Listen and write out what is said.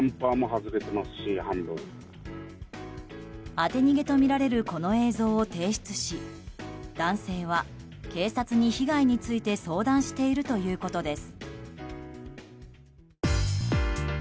当て逃げとみられるこの映像を提出し男性は、警察に被害について相談しているということです。